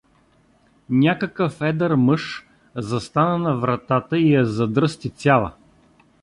Някакъв едър мъж застана на вратата и я задръсти цяла.